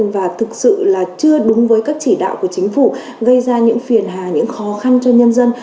và thực sự là chưa đúng với các chỉ đạo của chính phủ gây ra những phiền hà những khó khăn cho nhân dân